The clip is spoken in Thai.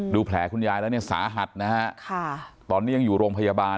แผลคุณยายแล้วเนี่ยสาหัสนะฮะค่ะตอนนี้ยังอยู่โรงพยาบาล